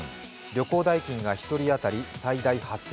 旅行代金が１人当たり最大８０００円。